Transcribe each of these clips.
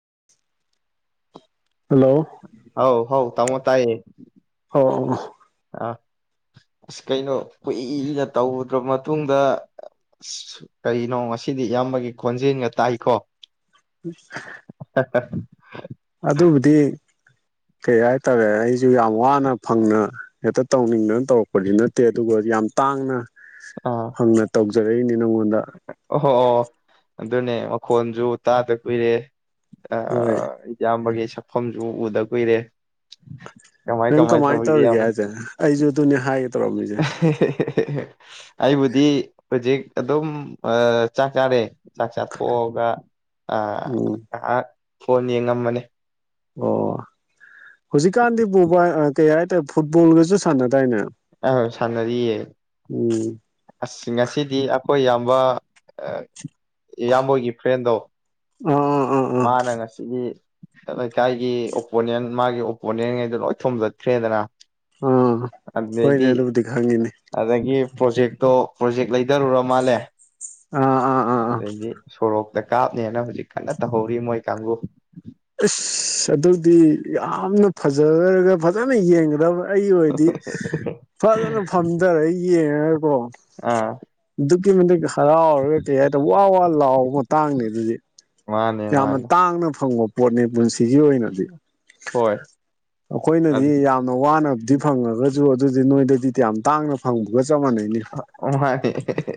[inaudible] ꯍꯥꯎ ꯍꯥꯎ ꯇꯥꯃꯣ ꯇꯥꯏꯌꯦ [inaudible] ꯑꯥ ꯑꯁ ꯀꯩꯅꯣ ꯀꯨꯏꯅ ꯇꯧꯗ꯭ꯔ ꯃꯇꯨꯡꯗ ꯀꯩꯅꯣ ꯉꯁꯥꯏ ꯁꯤꯗꯤ ꯏꯌꯥꯝꯕꯒꯤ ꯈꯣꯟꯖꯦꯜꯒ ꯇꯥꯏꯈꯣ ꯎꯝ ꯀꯩ ꯍꯥꯏꯇꯥꯔꯦ ꯑꯩꯁꯨ ꯌꯥꯝ ꯋꯥꯅ ꯐꯪꯅ ꯍꯦꯛꯇ ꯇꯧꯅꯤꯡꯗꯅ ꯇꯧꯔꯛ ꯍꯧꯗꯤ ꯅꯠꯇꯦ ꯑꯗꯨꯒ ꯌꯥꯝ ꯇꯥꯡꯅ ꯍꯪꯅ ꯇꯧꯖꯔꯛꯏꯅꯦ ꯑꯣꯍ ꯑꯣ ꯑꯗꯨꯅꯦ ꯃꯈꯣꯟꯁꯨ ꯇꯥꯗ ꯀꯨꯏꯔꯦ ꯍꯣꯏ ꯏꯌꯥꯝꯕꯒꯤ ꯁꯛꯐꯝꯁꯨ ꯎꯗ ꯀꯨꯏꯔꯦ ꯀꯃꯥꯏ ꯅꯪ ꯀꯃꯥꯏ ꯀꯃꯥꯏꯅ ꯇꯧꯔꯤꯒꯦ ꯏꯌꯥꯝꯕ ꯍꯥꯏꯁꯦ ꯑꯩꯁꯨ ꯑꯗꯨꯅꯦ ꯍꯥꯏ [unintelligible] ꯑꯩꯕꯨꯗꯤ ꯍꯧꯖꯤꯛ ꯑꯗꯨꯝ ꯆꯥꯛ ꯆꯥꯔꯦ ꯆꯥꯛ ꯆꯥꯊꯣꯛꯑꯒ ꯎꯝ ꯑ ꯐꯣꯟ ꯌꯦꯡꯉꯝꯃꯅꯦ ꯑꯣ ꯍꯧꯖꯤꯛꯀꯥꯟꯗꯤ ꯄꯨꯕ ꯀꯩ ꯍꯥꯏꯇꯥꯔꯦ ꯐꯨꯠꯕꯣꯜꯒꯁꯨ ꯁꯥꯟꯅꯗꯥꯏꯅꯦ ꯑ ꯁꯥꯟꯅꯔꯤ ꯎꯝ ꯑꯁ ꯉꯁꯤꯗꯤ ꯑꯩꯈꯣꯏ ꯏꯌꯥꯝꯕ ꯏꯌꯥꯝꯕꯒꯤ ꯐ꯭ꯔꯦꯟꯗꯣ ꯑꯥ ꯑꯥ ꯑꯥ ꯃꯥꯅ ꯉꯁꯤꯒꯤ ꯂꯩꯀꯥꯏꯒꯤ ꯑꯣꯄꯣꯅꯦꯟ ꯃꯥꯒꯤ ꯑꯣꯄꯣꯅꯦꯟꯉꯩꯗꯣ ꯂꯣꯏ ꯊꯣꯝꯗꯠꯈ꯭ꯔꯦꯗꯅ꯫ ꯑꯥ ꯍꯣꯏꯅꯦ ꯑꯗꯨꯗꯩꯩꯗꯤ ꯑꯗꯨꯕꯨꯗꯤ ꯈꯪꯉꯤꯅꯦ ꯑꯗꯒꯤ ꯄ꯭ꯔꯣꯖꯦꯛꯇꯣ ꯄ꯭ꯔꯣꯖꯦꯛ ꯂꯩꯊꯔꯨꯔ ꯃꯥꯜꯂꯦ ꯑꯥ ꯑꯥ ꯑꯥ ꯑꯥ ꯑꯗꯩꯗꯤ ꯁꯣꯔꯣꯛꯇ ꯀꯥꯞꯅꯦꯅ ꯍꯧꯖꯤꯛ ꯀꯟꯅ ꯇꯧꯍꯧꯔꯤ ꯃꯣꯏ ꯀꯥꯡꯕꯨ ꯑꯁ ꯑꯗꯨꯗꯤ ꯌꯥꯝꯅ ꯐꯖꯔꯒ ꯐꯖꯅ ꯌꯦꯡꯒꯗꯕ ꯑꯩꯒꯤ ꯑꯣꯏꯗꯤ ꯐꯖꯅ ꯐꯝꯊꯔ ꯌꯦꯡꯉꯒꯀꯣ ꯑꯥ ꯑꯗꯨꯛꯀꯤ ꯃꯇꯤꯛ ꯍꯔꯥꯎꯔꯒ ꯀꯩ ꯍꯥꯏꯔꯦ ꯋꯥ ꯋꯥ ꯂꯥꯎꯕ ꯃꯇꯥꯡꯅꯤ ꯑꯗꯨꯗꯤ ꯃꯥꯅꯦ ꯌꯥꯝꯅ ꯃꯥꯅꯦ ꯇꯥꯡꯅ ꯐꯪꯕ ꯄꯣꯠꯅꯤ ꯄꯨꯟꯁꯤ ꯁꯤꯒꯤ ꯑꯣꯏꯅꯗꯤ ꯍꯣꯏ ꯑꯩꯈꯣꯏꯅꯗꯤ ꯑꯗꯨ ꯌꯥꯝꯅ ꯋꯥꯅꯗꯤ ꯐꯪꯉꯒꯁꯨ ꯑꯗꯨꯗꯤ ꯅꯣꯏꯗꯗꯤꯗꯤ ꯌꯥꯝ ꯇꯥꯡꯅ ꯐꯪꯕꯒ ꯆꯞ ꯃꯥꯟꯅꯩꯅꯤ ꯃꯥꯅꯦ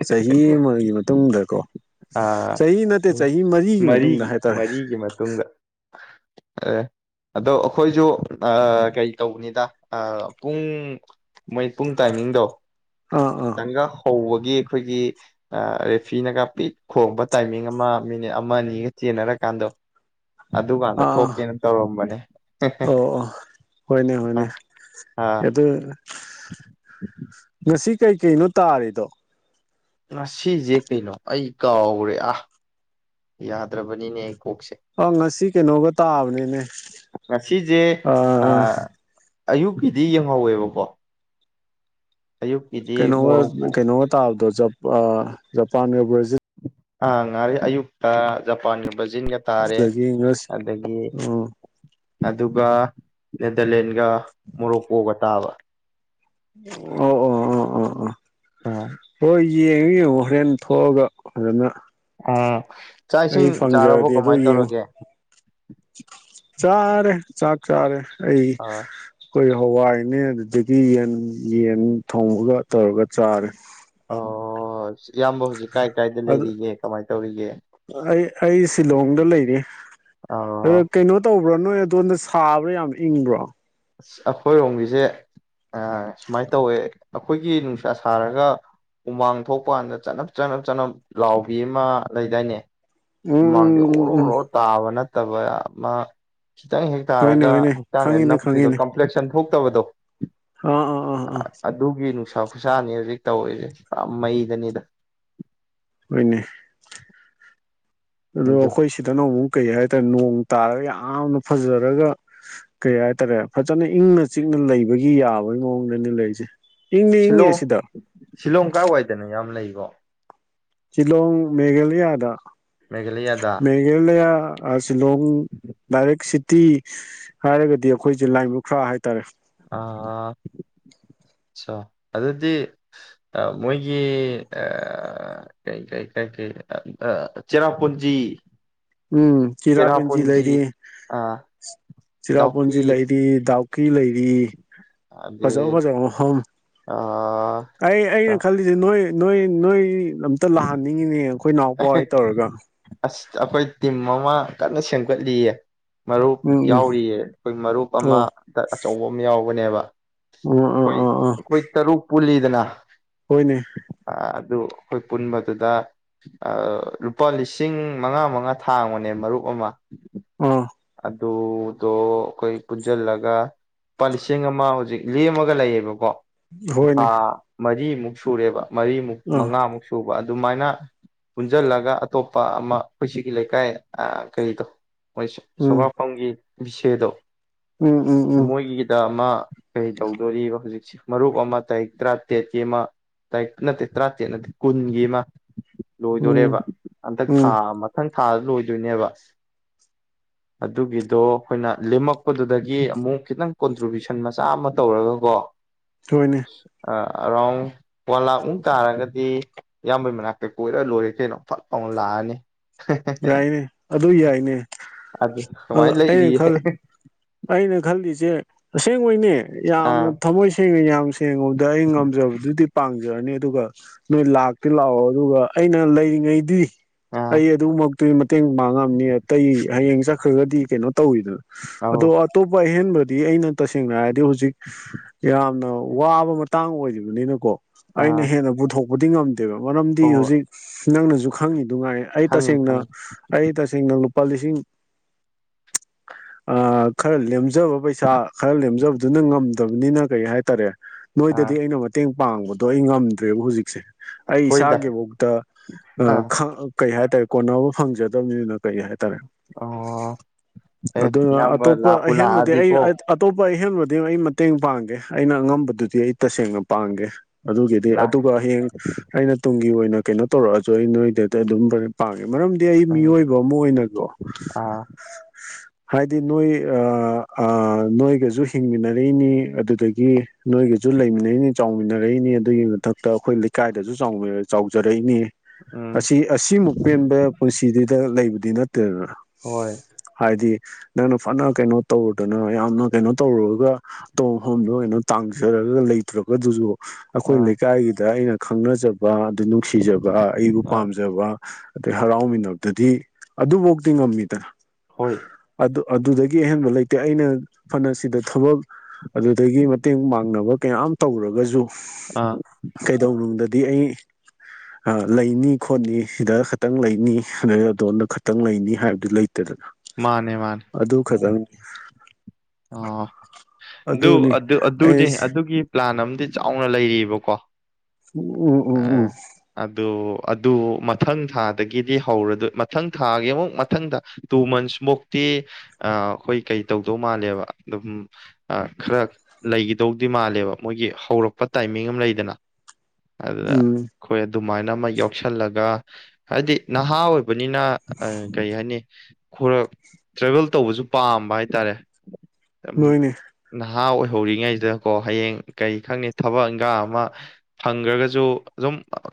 ꯆꯍꯤ ꯑꯃꯒꯤ ꯃꯇꯨꯡꯗꯀꯣ ꯑꯥ ꯆꯍꯤ ꯅꯠꯇꯦ ꯆꯍꯤ ꯃꯔꯤꯒꯤ ꯃꯇꯨꯡꯗ ꯍꯥꯏꯇꯥꯔꯦ ꯃꯔꯤꯒꯤ ꯃꯇꯨꯡꯗ ꯑꯦ ꯑꯗꯣ ꯑꯩꯈꯣꯏꯁꯨ ꯀꯩ ꯇꯧꯕꯅꯤꯗ ꯄꯨꯡ ꯃꯣꯏ ꯄꯨꯡ ꯇꯥꯏꯃꯤꯡꯗꯣ ꯑꯥ ꯑꯥ ꯈꯤꯇꯪꯒ ꯍꯧꯕꯒꯤ ꯑꯩꯈꯣꯏꯒꯤ ꯔꯦꯐꯤꯅꯒ ꯄꯤꯛ ꯈꯣꯡꯕ ꯇꯥꯏꯃꯤꯡ ꯑꯃ ꯃꯤꯅꯤꯠ ꯑꯃ ꯑꯅꯤꯒ ꯆꯦꯟꯅꯔꯀꯥꯟꯗꯣ ꯑꯥ ꯑꯗꯨꯀꯥꯟꯗ ꯑꯥ ꯊꯣꯛꯀꯦꯅ ꯇꯧꯔꯝꯕꯅꯦ ꯑꯣ ꯑꯣ ꯍꯣꯏꯅꯦ ꯑ ꯍꯣꯏꯅꯦ ꯑꯥ ꯑꯗꯨ ꯑꯗꯨ ꯉꯁꯤ ꯀꯩꯀꯩꯅꯣ ꯇꯥꯔꯤꯗꯣ ꯉꯁꯤꯁꯦ ꯀꯩꯅꯣ ꯑꯩ ꯀꯥꯎꯔꯦ ꯑꯥ ꯌꯥꯗ꯭ꯔꯕꯅꯤꯅꯦ ꯀꯣꯛꯁꯦ ꯑ ꯉꯁꯤ ꯀꯩꯅꯣꯒ ꯇꯥꯕꯅꯤꯅꯦ ꯉꯁꯤꯖꯦ ꯑ ꯑꯌꯨꯛꯀꯤꯗꯤ ꯌꯦꯡꯍꯧꯋꯦꯕꯀꯣ ꯑꯌꯨꯛꯀꯤꯗꯤ ꯀꯩꯅꯣꯒ- ꯃꯣꯔꯣꯛꯀꯣ ꯀꯩꯅꯣꯒ ꯇꯥꯕꯗꯣ ꯖꯞ ꯑꯥ ꯖꯄꯥꯟꯒ ꯕ꯭ꯔꯖꯤꯜ ꯑ ꯉꯔ ꯑꯌꯨꯛꯇ ꯖꯄꯥꯟ ꯕꯖꯤꯟꯒ ꯇꯥꯔꯦ ꯑꯗꯒꯤ ꯏꯪꯂꯤꯁ ꯑꯗꯒꯤ ꯎꯝ ꯑꯗꯨꯒ ꯅꯦꯗꯔꯂꯦꯟꯒ ꯃꯣꯔꯣꯛꯀꯣꯒ ꯇꯥꯕ ꯑꯣ ꯑꯣ ꯑꯣ ꯑꯣ ꯑꯣ ꯎꯝ ꯍꯣꯏ ꯌꯦꯡꯉꯨ ꯌꯦꯡꯉꯨ ꯍꯣꯔꯦꯟ ꯊꯣꯛꯑꯒ ꯐꯖꯅ ꯎ ꯆꯥꯛ ꯏꯁꯤꯡ ꯑꯩ ꯆꯥꯔꯕꯣ ꯐꯪꯖꯔꯗꯤ ꯑꯗꯨ ꯀꯃꯥꯏꯅ ꯌꯦꯡꯉꯨ ꯇꯧꯔꯒꯦ ꯆꯥꯔꯦ ꯆꯥꯛ ꯆꯥꯔꯦ ꯑꯩ ꯑꯥ ꯑꯩꯈꯣꯏ ꯍꯋꯥꯏꯅꯦ ꯑꯗꯨꯗꯒꯤ ꯌꯦꯟ ꯌꯦꯟ ꯊꯣꯡꯉꯒ ꯇꯧꯔꯒ ꯆꯥꯔꯦ ꯑꯣ ꯏꯌꯥꯝꯕꯥ ꯍꯧꯖꯤꯛ ꯀꯥꯏ ꯀꯥꯏꯗ ꯑꯗꯨ ꯂꯩꯔꯤꯒꯦ ꯀꯃꯥꯏ ꯇꯧꯔꯤꯒꯦ ꯑꯩ ꯑꯩ ꯁꯤꯂꯣꯡꯗ ꯂꯩꯔꯤ ꯑ ꯑꯣ ꯀꯩꯅꯣ ꯇꯧꯕ꯭ꯔꯣ ꯅꯣꯏ ꯑꯗꯣꯝꯗ ꯁꯥꯕ꯭ꯔꯥ ꯌꯥꯝ ꯏꯪꯕ꯭ꯔꯣ ꯑꯁ ꯑꯩꯈꯣꯏꯔꯣꯝꯒꯤꯁꯦ ꯁꯨꯃꯥꯏꯅ ꯇꯧꯋꯦ ꯑꯩꯈꯣꯏꯒꯤ ꯅꯨꯡꯁꯥ ꯁꯥꯔꯒ ꯍꯨꯃꯥꯡ ꯊꯣꯛꯄ ꯀꯥꯟꯗ ꯆꯅꯞ ꯆꯅꯞ ꯆꯅꯞ ꯂꯥꯎꯕꯤ ꯑꯃ ꯂꯩꯗꯥꯏꯅꯦ ꯎꯝ ꯍꯨꯃꯥꯡꯗꯤ ꯎꯝ ꯎꯝ ꯑꯣꯔꯣ ꯎꯝ ꯑꯣꯔꯣ ꯇꯥꯕ ꯅꯠꯇꯕ ꯑꯃ ꯈꯤꯇꯪ ꯍꯦꯛ ꯍꯣꯏꯅꯦ ꯇꯥꯔꯒ ꯍꯣꯏꯅꯦ ꯍꯛꯆꯥꯡꯗ ꯈꯪꯉꯤꯅꯦ ꯅꯞꯄꯤꯗꯣ ꯈꯪꯉꯤꯅꯦ ꯀꯝꯄ꯭ꯂꯦꯛꯁꯟ ꯊꯣꯛꯇꯕꯗꯣ ꯑꯥ ꯑꯥ ꯑꯥ ꯑꯥ ꯈꯨꯠꯁꯥꯅꯤ ꯍꯧꯖꯤꯛ ꯇꯧꯔꯤꯁꯦ ꯄꯨꯔ ꯃꯩꯗꯅꯤꯗ ꯍꯣꯏꯅꯦ ꯑꯗꯣ ꯑꯗꯨ ꯑꯩꯈꯣꯏ ꯁꯤꯗꯅ ꯅꯣꯡꯅꯃꯨꯛ ꯀꯩ ꯍꯥꯏꯇꯥꯔꯦ ꯅꯣꯡ ꯇꯥꯔꯒ ꯌꯥꯝ ꯌꯥꯝꯅ ꯐꯖꯔꯒ ꯀꯩ ꯍꯥꯏꯇꯥꯔꯦ ꯐꯖꯅ ꯏꯪꯅ ꯆꯤꯛꯅ ꯂꯩꯕꯒꯤ ꯌꯥꯕꯒꯤ ꯃꯑꯣꯡ ꯂꯩ ꯗꯅꯤ ꯂꯩꯁꯦ ꯁꯤꯂꯣꯡ ꯁꯤꯂꯣꯡ ꯀꯥꯏꯋꯥꯏꯗꯅꯣ ꯏꯌꯥꯝꯅ ꯂꯩꯔꯤꯕꯣ ꯁꯤꯂꯣꯡ ꯃꯦꯘꯂꯌꯥꯗ ꯃꯦꯘꯥꯂꯌꯥꯗ ꯃꯦꯘꯂꯌꯥ ꯁꯤꯂꯣꯡ ꯗꯥꯏꯔꯦꯛ ꯁꯤ ꯇꯤ ꯍꯥꯏꯔꯒꯗꯤ ꯑꯩꯈꯣꯏꯁꯦ ꯂꯥꯏꯕ ꯈ꯭ꯔ ꯍꯥꯏꯇꯥꯔꯦ ꯑꯥ ꯑꯁꯥ ꯑꯗꯨꯗꯤ ꯃꯣꯏꯒꯤ ꯑꯥ ꯀꯩ ꯀꯩ ꯀꯩ ꯀꯩ ꯑꯥ ꯆꯦꯔꯥꯄꯨꯟꯖꯤ ꯎꯝ ꯆꯤꯔꯥꯄꯨꯟꯖꯤ ꯆꯦꯔꯥꯄꯨꯟꯖꯤ ꯂꯩꯔꯤ ꯑ, ꯗꯥꯎꯀꯤ ꯆꯤꯔꯥꯄꯨꯟꯖꯤ ꯂꯩꯔꯤ ꯇꯥ ꯄꯨꯛꯈꯤ ꯂꯩꯔꯤ ꯐꯖꯕ ꯑꯗꯩ ꯐꯖꯕ ꯃꯐꯝ ꯑ, ꯑꯩ ꯑꯩꯅ ꯈꯜꯂꯤꯁꯦ ꯅꯣꯏ ꯅꯣꯏ ꯅꯣꯏ ꯑꯝꯇ ꯂꯥꯛꯍꯟꯅꯤꯡꯉꯤꯅꯦ ꯑꯩꯈꯣꯏ ꯅꯥꯎꯄꯥꯑꯣꯏ ꯇꯧꯔꯒ ꯑꯁ ꯑꯩꯈꯣꯏ ꯇꯤꯝ ꯑꯃ ꯀꯟꯅ ꯁꯦꯝꯒꯠꯂꯤꯌꯦ ꯃꯔꯨꯞ ꯎꯝ ꯎꯝ ꯌꯥꯎꯔꯤꯌꯦ ꯑꯩꯈꯣꯏ ꯃꯔꯨꯞ ꯑꯃ ꯑꯣ ꯑꯆꯧꯕ ꯑꯃ ꯌꯥꯎꯕꯅꯦꯕ ꯑꯣ ꯑꯥ ꯑꯩꯈꯣꯏ ꯑꯥ ꯑꯥ ꯑꯩꯈꯣꯏ ꯇꯔꯨꯛ ꯄꯨꯜꯂꯤꯗꯅ ꯍꯣꯏꯅꯦ ꯑ, ꯑꯗꯨ ꯑꯩꯈꯣꯏ ꯄꯨꯟꯕꯗꯨꯗ ꯂꯨꯄꯥ ꯂꯤꯁꯤꯡ ꯃꯉꯥ ꯃꯉꯥ ꯊꯥꯡꯕꯅꯦ ꯃꯔꯨꯞ ꯑꯃ ꯑꯥ ꯑꯗꯨꯗꯣ ꯑꯩꯈꯣꯏ ꯄꯨꯟꯖꯤꯜꯂꯒ ꯂꯨꯄꯥ ꯂꯤꯁꯤꯡ ꯑꯃ ꯍꯧꯖꯤꯛ ꯂꯦꯝꯃꯒ ꯂꯩꯌꯦꯕꯀꯣ ꯊꯥ ꯍꯣꯏꯅꯦ ꯃꯔꯤꯃꯨꯛ ꯁꯨꯔꯦꯕ ꯃꯔꯤꯃꯨꯛ ꯑꯥ ꯃꯉꯥꯃꯨꯛ ꯁꯨꯕ ꯑꯗꯨꯃꯥꯏꯅ ꯄꯨꯟꯖꯜꯂꯒ ꯑꯇꯣꯞꯄ ꯑꯃ ꯑꯩꯈꯣꯏ ꯁꯤꯒꯤ ꯂꯩꯀꯥꯏ ꯀꯔꯤꯗꯣ ꯎꯝ ꯁꯣꯒꯥꯄꯝꯒꯤ ꯕꯤꯁꯦꯗꯣ ꯎꯝ ꯎꯝ ꯎꯝ ꯃꯣꯏꯒꯤꯗ ꯑꯃ ꯀꯔꯤ ꯇꯧꯗꯣꯔꯤꯕ ꯍꯧꯖꯤꯛꯁꯤ ꯃꯔꯨꯞ ꯑꯃ ꯇꯥꯔꯤꯛ ꯇꯔꯥꯇꯔꯦꯠꯀꯤ ꯑꯃ ꯇꯥꯏ ꯅꯠꯇꯦ ꯇꯔꯥꯇꯦꯠ ꯅꯠꯇꯦ ꯀꯨꯟꯒꯤ ꯃꯥ ꯂꯣꯏꯗꯣꯔꯦꯕ ꯎꯝ ꯍꯟꯗꯛ ꯊꯥ ꯎꯝ ꯃꯊꯪ ꯊꯥꯗ ꯂꯣꯏꯗꯣꯏꯅꯦꯕ ꯑꯗꯨꯒꯤꯗꯣ ꯑꯩꯈꯣꯏꯅ ꯂꯦꯝꯃꯛꯄꯗꯨꯗꯒꯤ ꯑꯃꯨꯛ ꯈꯤꯇꯪ ꯀꯣꯟꯇ꯭ꯔꯤꯕ꯭ꯨꯁꯟ ꯃꯆꯥ ꯑꯃ ꯇꯧꯔꯒꯀꯣ ꯍꯣꯏꯅꯦ ꯑ ꯑꯔꯥꯎꯟ ꯋꯥꯟ ꯂꯥꯛꯃꯨꯛ ꯇꯥꯔꯒꯗꯤ ꯏꯌꯥꯝꯕꯩ ꯃꯅꯥꯛꯇꯩ ꯀꯣꯏꯔ ꯂꯣꯏꯔꯦ ꯀꯩꯅꯣ ꯐꯠ ꯂꯥꯎꯅ ꯂꯥꯛꯑꯅꯤ ꯌꯥꯏꯌꯦ ꯑꯗꯨ ꯌꯥꯏꯅꯦ ꯑꯗꯨ ꯁꯨꯃꯥꯏꯅ ꯑꯩꯅ ꯂꯩꯔꯤꯌꯦ ꯈꯜ ꯑꯩꯅ ꯈꯜꯂꯤꯁꯦ ꯑꯁꯦꯡꯕꯩꯅꯦ ꯌꯥꯝꯅ ꯑꯥ ꯊꯃꯣꯏ ꯁꯦꯡꯅ ꯌꯥꯝ ꯁꯦꯡꯉꯨꯗ ꯑꯩ ꯉꯝꯖꯕꯗꯨꯗꯤ ꯄꯥꯡꯖꯔꯅꯤ ꯑꯗꯨꯒ ꯅꯣꯏ ꯂꯥꯛꯇꯤ ꯂꯥꯛꯑꯣ ꯑꯗꯨꯒ ꯑꯩꯅ ꯂꯩꯔꯤꯉꯩꯗꯤ ꯑꯥ ꯑꯩ ꯑꯗꯨꯃꯛ ꯑꯗꯨꯨ ꯃꯇꯦꯡ ꯄꯥꯡꯉꯝꯅꯤ ꯑꯇꯩ ꯍꯌꯦꯡ ꯆꯠꯈ꯭ꯔꯒꯗꯤ ꯀꯩꯅꯣ ꯇꯧꯋꯤꯗꯅ ꯑꯧ ꯑꯗꯣ ꯑꯇꯣꯞꯄ ꯑꯍꯦꯟꯕꯗꯤ ꯑꯩꯅ ꯇꯁꯦꯡꯅ ꯍꯥꯏꯔꯗꯤ ꯍꯧꯖꯤꯛ ꯌꯥꯝꯅ ꯋꯥꯕ ꯃꯇꯥꯡ ꯑꯣꯏꯔꯤꯕꯅꯤꯅꯀꯣ ꯑꯩꯅ ꯑꯥ ꯍꯦꯟꯅ ꯄꯨꯊꯣꯛꯄꯗꯤ ꯉꯝꯗꯦꯕ ꯃꯔꯝꯗꯤ ꯍꯣꯏ ꯍꯧꯖꯤꯛ ꯅꯪꯅꯁꯨ ꯈꯪꯉꯤ ꯅꯨꯡꯉꯥꯏ ꯑꯩ ꯈꯪꯉꯤ ꯇꯁꯦꯡꯅ ꯈꯪꯉꯤ ꯑꯩ ꯇꯁꯦꯡꯅ ꯂꯨꯄꯥ ꯂꯤꯁꯤꯡ꯫ ꯑꯥ ꯈꯔ ꯂꯦꯝꯖꯕ ꯄꯩꯁꯥ ꯈꯔ ꯂꯦꯝꯖꯕꯗꯨꯅ ꯉꯝꯗꯕꯅꯤꯅ ꯀꯩ ꯍꯥꯏꯇꯥꯔꯦ꯫ ꯑꯥ ꯅꯣꯏꯗꯗꯤ ꯑꯩꯅ ꯃꯇꯦꯡ ꯄꯥꯡꯕꯗꯣ ꯑꯩ ꯉꯝꯗ꯭ꯔꯦꯕ ꯍꯧꯖꯤꯛꯁꯦ꯫ ꯑꯩ ꯍꯣꯏꯗ ꯏꯁꯥꯒꯤꯐꯥꯎꯗ ꯑꯥ ꯀꯩ ꯍꯥꯏꯇꯥꯔꯦ ꯀꯣꯟꯅꯕ ꯐꯪꯖꯗꯕꯅꯤꯅ꯫ ꯀꯩ ꯍꯥꯏꯇꯥꯔꯦ ꯑꯣ ꯑꯦ ꯑꯗꯨꯅ ꯏꯌꯥꯝꯕ ꯑꯇꯣꯞꯄ ꯂꯥꯛꯄꯨ ꯑꯍꯦꯟꯕꯗꯤ ꯂꯥꯛꯑꯗꯤꯀꯣ ꯑꯩꯇꯣꯞ ꯇꯣꯞꯄ ꯑꯍꯦꯟꯕꯗꯤ ꯑꯩ ꯃꯇꯦꯡ ꯄꯥꯡꯒꯦ ꯑꯩꯅ ꯑꯉꯝꯕꯗꯨꯗꯤ ꯑꯩ ꯇꯁꯦꯡꯅ ꯄꯥꯡꯒꯦ ꯑꯗꯨꯒꯤꯗꯤ ꯂꯥꯛ ꯑꯗꯨꯒ ꯍꯌꯦꯡ ꯑꯩꯅ ꯇꯨꯡꯒꯤ ꯑꯣꯏꯅ ꯀꯩꯅꯣ ꯇꯧꯔꯛꯑꯁꯨ ꯑꯩ ꯅꯣꯏꯗꯗꯤ ꯑꯗꯨꯝꯦꯟ ꯄꯥꯡ ꯃꯔꯝꯗꯤ ꯑꯩ ꯎꯝ ꯃꯤꯑꯣꯏꯕ ꯑꯃ ꯑꯣꯏꯅꯀꯣ꯫ ꯑꯥ ꯍꯥꯏꯗꯤ ꯅꯣꯏ ꯑꯥ ꯑꯥ ꯅꯣꯏꯒꯁꯨ ꯍꯤꯡꯃꯤꯟꯅꯔꯛꯏꯅꯤ ꯑꯗꯨꯗꯒꯤ ꯅꯣꯏꯒ ꯁꯨ ꯂꯩꯃꯤꯟꯅꯩꯅꯤ ꯆꯥꯎꯃꯤꯟꯅꯔꯛꯏꯅꯤ ꯑꯗꯨꯒꯤ ꯃꯊꯛꯇ ꯑꯩꯈꯣꯏ ꯂꯩꯀꯥꯏꯗꯁꯨ ꯆꯥꯎ ꯆꯥꯎꯖꯔꯛꯏꯅꯤ꯫ ꯎꯝ ꯑꯁꯤ ꯑꯁꯤꯃꯨꯛ ꯄꯦꯟꯕ ꯄꯨꯟꯁꯤꯗꯤꯗ ꯂꯩꯕꯗꯤ ꯅꯠꯇꯦ ꯇꯦꯕ ꯍꯣꯏ ꯍꯥꯏꯗꯤ꯫ ꯅꯪꯅ ꯐꯅ ꯀꯩꯅꯣ ꯇꯧꯔꯨꯗꯅ ꯌꯥꯝꯅ ꯀꯩꯅꯣ ꯇꯧꯔꯨꯔꯒ ꯇꯣꯡ ꯍꯣꯝꯗꯣ ꯑꯣꯏꯅ ꯇꯥꯡꯖꯔ ꯂꯩꯇ꯭ꯔꯒ ꯑꯗꯨꯁꯨ꯫ ꯑꯩꯈꯣꯏ ꯑꯥ ꯂꯩꯀꯥꯏꯒꯤꯗ ꯑꯩꯅ ꯈꯪꯅꯖꯕ ꯑꯗꯨ ꯅꯨꯡꯁꯤꯖꯕ ꯑꯩꯕꯨ ꯑꯥ ꯄꯥꯝꯖꯕ꯫ ꯑꯗꯩ ꯍꯔꯥꯎꯃꯤꯟꯅꯕꯗꯨꯗꯤ ꯑꯗꯨꯐꯥꯎꯗꯤ ꯉꯝꯃꯤꯗ꯫ ꯍꯣꯏ꯫ ꯑꯗꯨ ꯑꯗꯨꯗꯒꯤ ꯑꯍꯦꯟꯕ ꯂꯩꯇꯦ ꯑꯩꯅ ꯐꯅ ꯁꯤꯗ ꯊꯕꯛ ꯑꯗꯨꯗꯒꯤ ꯃꯇꯦꯡ ꯃꯥꯡꯅꯕ ꯀꯌꯥꯝ ꯇꯧꯔꯒꯁꯨ ꯑꯥ ꯀꯩꯗꯧꯅꯨꯡꯗ ꯗꯤ ꯑꯩ꯫ ꯑ ꯂꯩꯅꯤ ꯈꯣꯠꯅꯤ ꯁꯤꯗ ꯈꯛꯇꯪ ꯂꯩꯅꯤ ꯑꯗꯨꯗꯩ ꯑꯗꯣꯝꯗ ꯈꯇꯪ ꯂꯩꯅꯤ ꯍꯥꯏꯕꯗꯨ ꯂꯩꯇꯔꯦꯗꯅ꯫ ꯃꯥꯅꯦ꯫ ꯃꯥꯅꯦ ꯑꯗꯨ ꯈꯛꯇꯪ꯫ ꯑꯣ ꯑꯗꯨ ꯑꯗꯨ ꯑꯗꯨꯅꯦ ꯑꯩ ꯑꯗꯨꯒꯤ ꯄ꯭ꯂꯥꯟ ꯑꯝ ꯆꯥꯎꯅ ꯂꯩꯔꯤꯕꯀꯣ ꯎꯝ ꯎꯝ ꯑ ꯎꯝ ꯑꯗꯨ꯫ ꯑꯗꯨ ꯃꯊꯪ ꯊꯥꯗꯒꯤꯗꯤ ꯍꯧꯔꯗꯣꯏ ꯃꯊꯪ ꯊꯥꯒꯤ ꯑꯃꯨꯛ ꯃꯊꯪ ꯊꯥ ꯇꯨ ꯃꯟꯁ ꯃꯨꯛꯇꯤ ꯇꯤ ꯑꯥ ꯑꯩꯈꯣꯏ ꯀꯩ ꯇꯧꯗꯧ ꯃꯥꯜꯂꯦꯕ ꯑꯗꯨꯝ ꯑꯥ ꯈꯔꯥ ꯂꯩꯒꯤꯗꯣꯏꯗꯤ ꯃꯥꯜꯂꯦꯕ ꯃꯣꯏꯒꯤ ꯍꯧꯔꯛꯄ ꯇꯥꯏꯃꯤꯡ ꯑꯝ ꯂꯩꯗꯅ ꯑꯗꯨꯗ ꯎꯝ [unintelligible] ꯑꯗꯨꯃꯥꯏꯅ ꯑꯃ ꯌꯥꯎꯁꯜꯂꯒ ꯍꯥꯏꯕꯗꯤ ꯅꯍꯥ ꯑꯣꯏꯕꯅꯤꯅ ꯀꯩ ꯍꯥꯏꯅꯤ꯫ ꯈꯔ ꯇ꯭ꯔꯦꯚꯦꯜ ꯇꯧꯕꯁꯨ ꯄꯥꯝꯕ ꯍꯥꯏꯇꯥꯔꯦ꯫ [unintelligible] ꯅꯣꯏꯅꯦ ꯅꯍꯥ ꯑꯣꯏꯍꯧꯔꯤꯉꯩꯁꯤꯗꯀꯣ ꯍꯌꯦꯡ ꯀꯔꯤ ꯈꯪꯅꯤ ꯊꯕꯛ ꯏꯪꯈꯥꯡ ꯑꯃ ꯐꯪꯈ꯭ꯔꯒꯁꯨ꯫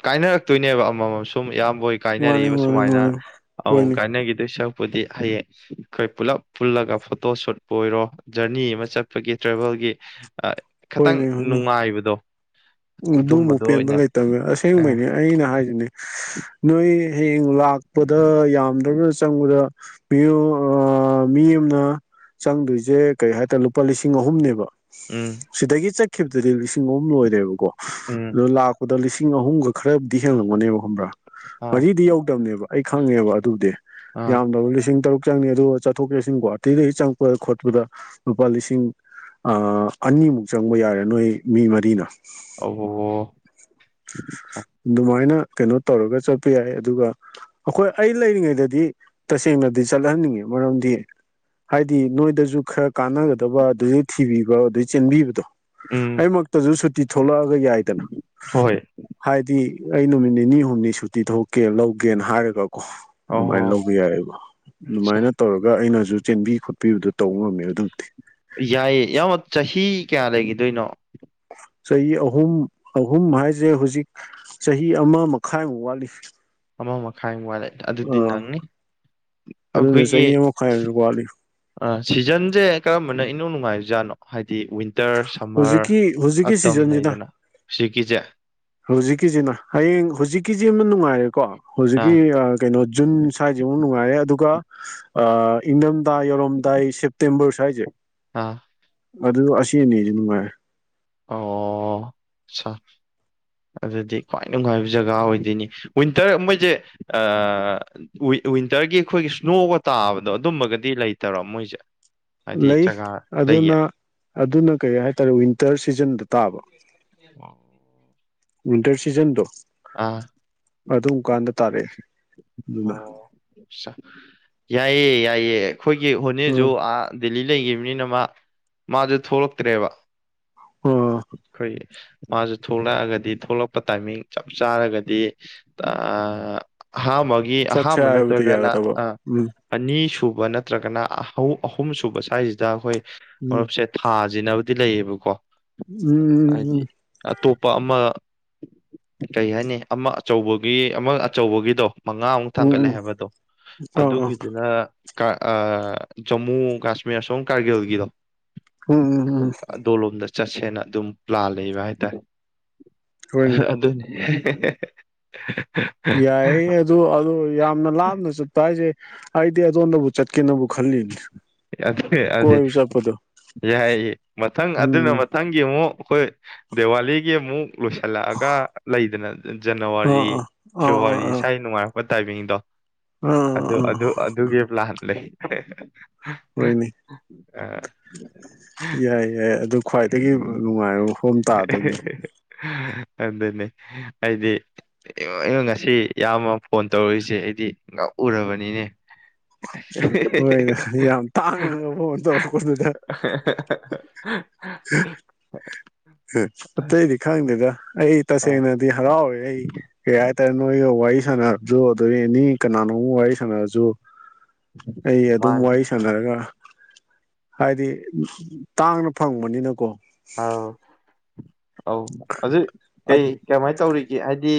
ꯀꯥꯏꯅꯔꯛꯇꯣꯏꯅꯦꯕ ꯑꯃꯃꯝ ꯁꯨꯝ ꯏꯌꯥꯝꯕꯣꯏ ꯃꯥꯅꯤ ꯀꯥꯏꯅꯔꯛꯏꯕ ꯃꯥꯅꯤ ꯁꯨꯃꯥꯏꯅ ꯃꯥꯅꯤ ꯑꯃꯃꯝ ꯍꯣꯏꯅꯦ ꯀꯥꯏꯅꯈꯤꯗꯣꯏ ꯁꯛ ꯗꯤ ꯍꯌꯦꯡ ꯑꯩꯈꯣꯏ ꯄꯨꯂꯞ ꯄꯨꯜꯂꯒ ꯐꯣꯇꯣ ꯁꯨꯠ ꯄꯨ ꯑꯣꯏꯔꯣ ꯖꯔꯅꯤ ꯑꯃ ꯆꯠꯄꯒꯤ ꯇ꯭ꯔꯦꯚꯦꯜꯒꯤ ꯑꯥ ꯈꯇꯪ ꯍꯣꯏꯅꯦ ꯍꯣꯏꯅꯦ ꯅꯨꯡꯉꯥꯏꯕꯗꯣ꫰꫰ ꯑꯗꯨꯃꯨꯛ ꯑꯗꯨꯝꯕꯗꯣ ꯄꯦꯟꯕ ꯑꯣꯏꯅ ꯂꯩꯇꯕꯅꯦ ꯑꯥ ꯑꯁꯦꯡꯕꯩꯅꯤ ꯑꯩꯅ ꯍꯥꯏꯁꯤꯅꯦ ꯅꯣꯏ ꯍꯥꯌꯦꯡ ꯌꯦꯡ ꯂꯥꯛꯄꯗ ꯌꯥꯝꯗ꯭ꯔꯕꯅ ꯆꯪꯕꯗ꯫ ꯃꯤ ꯑꯃꯅ ꯆꯪꯗꯣꯏꯁꯦ ꯀꯩ ꯍꯥꯏꯇꯥꯔꯦ ꯂꯨꯄꯥ ꯂꯤꯁꯤꯡ ꯑꯍꯨꯝꯅꯦꯕ꯫ ꯎꯝ ꯁꯤꯗꯒꯤ ꯆꯠꯈꯤꯕꯗꯨꯗꯤ ꯂꯤꯁꯤꯡ ꯑꯍꯨꯝ ꯂꯣꯏꯔꯦꯕꯀꯣ ꯎꯝ ꯑꯗꯨ ꯂꯥꯛꯄꯗ ꯂꯤꯁꯤꯡ ꯂꯤꯁꯤꯡ ꯑꯍꯨꯝꯒ ꯈꯔꯕꯨꯗꯤ ꯍꯦꯜꯂꯝꯛꯕꯅꯦꯕ ꯈꯕ꯭ꯔꯥ ꯑꯥ ꯃꯔꯤꯗꯤ ꯌꯧꯗꯕꯅꯦꯕ ꯑꯩ ꯈꯪꯉꯦꯕ ꯑꯗꯨꯗꯤ꯫ ꯑꯥ ꯌꯥꯝꯗꯔꯥꯕꯗ ꯂꯤꯁꯤꯡ ꯇꯔꯨꯛ꯫ ꯆꯪꯉꯦ ꯑꯗꯨꯒ ꯆꯠꯊꯣꯛ ꯆꯠꯁꯤꯟ ꯀꯣ ꯑꯇꯩꯇꯩ ꯆꯪꯉꯛꯄꯗ ꯈꯣꯠꯄꯗ ꯂꯨꯄꯥ ꯂꯤꯁꯤꯡ ꯑꯅꯤꯃꯨꯛ ꯆꯪꯕ ꯌꯥꯔꯦ ꯅꯣꯏ ꯃꯤ ꯃꯔꯤꯅ꯫ ꯑꯣ꯫ ꯑꯗꯨꯃꯥꯏꯅ ꯀꯩꯅꯣ ꯇꯧꯔꯒ ꯆꯠꯄ ꯌꯥꯏ ꯑꯗꯨꯒ ꯑꯩꯈꯣꯏ ꯑꯩ ꯂꯩꯔꯤꯉꯩꯗꯗꯤ ꯇꯁꯦꯡꯅꯗꯤ ꯆꯠꯂꯍꯟꯅꯤꯡꯉꯦ꯫ ꯃꯔꯝꯗꯤ꯫ ꯍꯥꯏꯗꯤ ꯅꯣꯏꯗꯁꯨ ꯈꯔ ꯀꯥꯟꯅꯒꯗꯕ ꯑꯗꯨꯗꯩꯩ ꯊꯤꯕꯤꯕ ꯑꯗꯨꯏ ꯆꯦꯟꯕꯤꯕꯗꯣ꯫ ꯎꯝ ꯑꯩꯃꯛꯇꯁꯨ ꯁꯨꯇꯤ ꯊꯣꯛꯂꯛꯑꯒ ꯌꯥꯏꯗꯅ ꯍꯣꯏ ꯍꯥꯏꯗꯤ ꯑꯩ ꯅꯨꯃꯤꯠ ꯅꯤꯅꯤ ꯍꯨꯝꯅꯤ ꯁꯨꯇꯤ ꯊꯣꯛꯀꯦ ꯂꯧꯒꯦꯅ ꯍꯥꯏꯔꯒ ꯑꯗꯨꯃꯥꯏꯅ ꯑꯣ ꯂꯧꯕ ꯌꯥꯏꯑꯕ ꯑꯗꯨꯃꯥꯏꯅ ꯇꯧꯔꯒ ꯑꯩꯅꯁꯨ ꯆꯦꯟꯕꯤ ꯈꯣꯠꯄꯤꯕꯗ ꯌꯥꯏꯌꯦ ꯌꯥꯝ ꯆꯍꯤ ꯀꯌꯥ ꯂꯩꯈꯤꯗꯣꯏꯅꯣ ꯆꯍꯤ ꯑꯍꯨꯝ ꯑꯍꯨꯝ ꯍꯥꯏꯁꯦ ꯍꯧꯖꯤꯛ ꯆꯍꯤ ꯑꯃ ꯃꯈꯥꯏꯃꯨꯛ ꯋꯥꯠꯂꯤ ꯑꯃ ꯃꯈꯥꯏ ꯋꯥꯂꯦ ꯑꯗꯨꯗꯤ ꯑꯥ ꯅꯪꯅꯤ ꯑꯗꯨꯅ ꯑꯩꯈꯣꯏꯒꯤ ꯆꯍꯤ ꯑꯃ ꯃꯈꯥꯏ ꯋꯥꯠꯂꯤ ꯑ ꯁꯤꯖꯟꯁꯦ ꯀꯔꯝꯕꯅ ꯏꯅꯧ ꯅꯨꯡꯉꯥꯏꯕꯖꯥꯠꯅꯣ ꯍꯥꯏꯗꯤꯋꯤꯟ ꯋꯤꯟꯇꯔ ꯁꯝꯃꯔ ꯍꯧꯖꯤꯛꯀꯤ ꯍꯧꯖꯤꯛꯀꯤ ꯑꯇꯝ ꯁꯤꯖꯟꯁꯤꯅ ꯂꯩꯗꯅ ꯁꯤꯒꯤꯁꯦ ꯍꯧꯖꯤꯛꯀꯤꯁꯤꯅ ꯍꯌꯦꯡ ꯍꯧꯖꯤꯛꯀꯤꯁꯤ ꯑꯃ ꯅꯨꯡꯉꯥꯏꯔꯦꯀꯣ ꯍꯧꯖꯤꯛꯀꯤ ꯑꯥ ꯀꯩꯅꯣ ꯖꯨꯟ ꯁ꯭ꯋꯥꯏꯁꯤꯃ ꯅꯨꯡꯉꯥꯏꯔꯦ ꯑꯗꯨꯒ ꯏꯪꯗꯝ ꯌꯧꯔꯝꯗꯥꯏ ꯁꯦꯞꯇꯦꯝꯕꯔ ꯁ꯭ꯋꯥꯏꯁꯦ ꯑꯥ ꯑꯗꯨ ꯑꯁꯤ ꯑꯅꯤꯁ ꯅꯨꯡꯉꯥꯏꯔꯦ ꯑꯣ ꯆꯥ ꯑꯗꯨꯗꯤ ꯈ꯭ꯋꯥꯏ ꯅꯨꯡꯉꯥꯏꯕ ꯖꯒꯥ ꯑꯣꯏꯗꯣꯏꯅꯤ ꯋꯤꯟꯇꯔ ꯃꯣꯏꯁꯦ ꯑ ꯋꯤꯟꯇꯔꯒꯤ ꯑꯩꯈꯣꯏꯒꯤ ꯁ꯭ꯅꯣꯒ ꯇꯥꯕꯗꯣ ꯑꯗꯨꯝꯕꯒꯗꯤ ꯂꯩꯇꯔꯣ ꯃꯣꯏꯖꯦ ꯂꯩ ꯑꯗꯨꯅ ꯑꯗꯨꯅ ꯀꯔꯤ ꯍꯥꯏꯇꯥꯔꯦ ꯋꯤꯟꯇꯔ ꯁꯤꯖꯟꯗ ꯑꯣ ꯋꯟꯇꯔ ꯁꯤꯖꯟ ꯇꯣ ꯑꯥ ꯑꯗꯨꯝꯀꯥꯟꯗ ꯇꯥꯔꯛꯑꯦ ꯑꯗꯨꯅ ꯑꯣ ꯌꯥꯏꯌꯦ ꯌꯥꯏꯌꯦ ꯑꯩꯈꯣꯏꯒꯤ ꯍꯣꯅꯤꯁꯨ ꯑꯥ ꯂꯤ ꯂꯩꯈꯤꯕꯅꯤꯅ ꯃꯥ ꯃꯥꯁꯨ ꯊꯣꯛꯂꯛꯇ꯭ꯔꯦꯕ ꯑꯥ ꯈꯣꯏꯒꯤ ꯃꯥꯁꯦ ꯊꯣꯛꯂꯛꯑꯒꯗꯤ ꯊꯣꯛꯂꯛꯄ ꯇꯥꯏꯃꯤꯡ ꯆꯞ ꯆꯥꯔꯒꯗꯤ ꯑꯍꯟꯕ ꯒꯤ ꯆꯠꯁꯦ ꯑꯍꯥꯥꯟꯕ ꯍꯥꯏꯕꯗ ꯅꯠꯇ꯭ꯔꯒꯅ ꯌꯥꯒꯗꯕ ꯑ ꯎꯝ ꯑꯅꯤ ꯁꯨꯕ ꯅꯠꯇ꯭ꯔꯒꯅ ꯑꯍꯨꯝ ꯁꯨꯕ ꯁ꯭ꯋꯥꯏꯁꯤꯗ ꯑꯩꯈꯣꯏ ꯎꯝ ꯃꯔꯨꯞꯁꯦ ꯊꯥꯁꯤꯅꯕꯗꯤ ꯂꯩꯌꯦꯕꯀꯣ ꯍꯥꯏꯗꯤ ꯎꯝ ꯑꯇꯣꯞꯄ ꯑꯃ ꯀꯩ ꯍꯥꯏꯅꯤ ꯑꯃ ꯑꯆꯧꯕꯒꯤ ꯑꯃ ꯑꯆꯧꯕꯒꯤꯗꯣ ꯃꯉꯥꯃꯨꯛ ꯊꯥꯡꯒꯠꯂꯦ ꯎꯝ ꯍꯥꯏꯕꯗꯣ ꯎꯝ ꯎꯝ ꯑꯥ ꯑꯥ ꯑꯗꯨꯒꯤꯗꯨꯅ ꯖꯃꯨ ꯀꯥꯁꯃꯤꯔ ꯁꯣꯝ ꯀꯥꯔꯒꯤꯜꯒꯤꯗꯣ ꯎꯝ ꯎꯝ ꯑꯗꯣꯂꯣꯝꯗ ꯆꯠꯁꯦꯅ ꯑꯗꯨꯝ ꯄ꯭ꯂꯥꯟ ꯂꯩꯕ ꯍꯥꯏꯇꯥꯔꯦ ꯍꯣꯏꯅꯦ ꯑꯗꯨꯅꯤ [unintelligible] ꯑꯗꯨꯣ ꯌꯥꯝꯅ ꯂꯥꯞꯅ ꯆꯠꯄ ꯍꯥꯏꯁꯦ ꯑꯩꯗꯤ ꯑꯗꯣꯝꯗꯕꯨ ꯆꯠꯀꯦꯅꯕꯨ ꯈꯜꯂꯤꯅꯤ ꯑꯖ ꯀ ꯑꯖ ꯀꯣꯏꯕ ꯆꯠꯄꯗꯣ ꯌꯥꯏꯌꯦ ꯃꯊꯪ ꯑꯗꯨꯅ ꯎꯝ ꯃꯊꯪꯒꯤ ꯑꯃꯨꯛ ꯑꯩꯈꯣꯏ ꯗꯤꯋꯥꯂꯤꯒꯤ ꯑꯃꯨꯛ ꯂꯣꯏꯁꯤꯜꯂꯛꯑꯒ ꯂꯩꯗꯅ ꯑꯥ ꯖꯅꯋꯥꯔꯤ ꯑꯥ ꯑꯥ ꯐꯦꯕꯋꯥꯔꯤ ꯑꯥ ꯑꯥ ꯏꯁꯋꯥꯥꯏ ꯅꯨꯡꯉꯥꯏ ꯇꯥꯏꯕꯤꯡꯗꯣ ꯑꯥ ꯑꯗꯨ ꯑꯥ ꯑꯥ ꯑꯗꯨ ꯑꯗꯨꯒꯤ ꯄ꯭ꯂꯥꯟ ꯂꯩ ꯍꯣꯏꯅꯦ ꯑ ꯌꯥꯏ ꯌꯥꯏ ꯑꯗꯨ ꯈ꯭ꯋꯥꯏꯗꯒꯤ ꯅꯨꯡꯉꯥꯏꯕ ꯃꯐꯝꯝ ꯇꯥꯗꯣꯏꯅꯦ ꯑꯗꯨꯅꯤ ꯑꯩꯗꯤ ꯉꯁꯤ ꯏꯌꯥꯝꯕ ꯐꯣꯟ ꯇꯧꯔꯨꯏꯁꯦ ꯑꯩꯗꯤ ꯉꯥꯛꯎꯔꯕꯅꯤꯅꯦ ꯍꯣꯏꯗ ꯌꯥꯝ ꯇꯥꯡꯅꯕ ꯐꯣꯟ ꯇꯧꯔꯛꯄꯗꯨꯗ [inaudible] ꯑꯇꯩꯗꯤ ꯈꯪꯗꯦꯗ ꯑꯩ ꯑ ꯇꯁꯦꯡꯅꯗꯤ ꯍꯔꯥꯎꯋꯦ ꯑꯩ ꯀꯩ ꯅꯣꯏꯒ ꯋꯥꯔꯤ ꯁꯥꯟꯅꯔꯁꯨ ꯑꯗꯒꯤ ꯑꯦꯅꯤ ꯀꯅꯥꯅꯣꯝ ꯋꯥꯔꯤ ꯁꯥꯟꯅꯔꯁꯨ ꯑꯩ ꯑꯗꯨꯝ ꯃꯥꯅꯤ ꯋꯥꯔꯤ ꯁꯥꯟꯅꯔꯒ ꯍꯥꯏꯗꯤ ꯇꯥꯡꯅ ꯐꯪꯕꯅꯤꯅꯀꯣ ꯑꯥꯎ ꯑꯧ ꯑꯗꯨ ꯀꯩ ꯀꯃꯥꯏꯅ ꯇꯧꯔꯤꯒꯦ ꯍꯥꯏꯗꯤ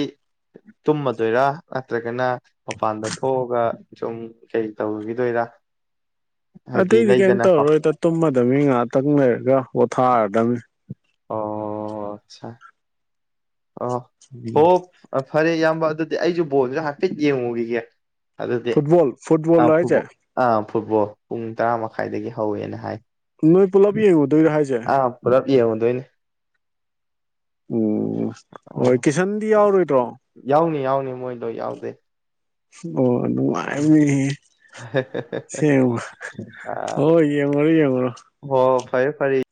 ꯇꯨꯝꯃꯗꯣꯏꯔꯥ ꯅꯠꯇ꯭ꯔꯒꯅ ꯃꯄꯥꯟꯗ ꯊꯣꯛꯑꯒ ꯁꯨꯝ ꯀꯩ ꯇꯧꯈꯤꯗꯣꯏꯔ [unintelligible] ꯑꯇꯩꯗꯤ ꯀꯩꯝ ꯇꯧꯔꯔꯣꯏꯗ ꯇꯨꯝꯃꯗꯕꯅꯤ ꯉꯍꯥꯛꯇꯪ ꯂꯩꯔꯒ ꯄꯣꯠꯊꯥꯔꯗꯕꯅꯤ ꯑꯣ ꯑꯆꯥ ꯑꯣ ꯍꯣ ꯎꯝ ꯐꯔꯦ ꯏꯌꯥꯝꯕ ꯑꯗꯨꯗꯤ ꯑꯩꯁꯨ ꯕꯣꯜꯗꯨ ꯍꯥꯏꯐꯦꯠ ꯌꯦꯡꯉꯨꯈꯤꯒꯦ ꯑꯗꯨꯗꯤ ꯐꯨꯠꯕꯣꯜ ꯑ ꯐꯨꯠꯕꯣꯜ ꯐꯨ ꯍꯥꯏꯁꯦ ꯑꯥ ꯐꯨꯠꯕꯣꯜ ꯄꯨꯡ ꯇꯔꯥ ꯃꯈꯥꯏꯗꯒꯤ ꯍꯧꯋꯦꯅ ꯍꯥꯏ ꯅꯣꯏ ꯄꯨꯂꯞ ꯌꯦꯡꯉꯨꯗꯣꯏꯔꯣ ꯍꯥꯏꯁꯦ ꯑꯥ ꯄꯨꯂꯞ ꯌꯦꯡꯉꯨꯗꯣꯏꯅꯦ ꯎꯝ ꯍꯣꯏ ꯑꯥ ꯀꯤꯁꯟꯗꯤ ꯌꯥꯎꯔꯣꯏꯗ꯭ꯔꯣ ꯌꯥꯎꯅꯤ ꯌꯥꯎꯅꯤ ꯃꯣꯏ ꯂꯣꯏ ꯌꯥꯎꯗꯣꯏꯅꯦ ꯑꯣ ꯅꯨꯡꯉꯥꯏꯅꯤꯍꯦ ꯑ ꯍꯣꯏ ꯌꯦꯡꯉꯨꯔꯣ ꯌꯦꯡꯉꯨꯔꯣ ꯍꯣ ꯐꯔꯦ ꯐꯔꯦ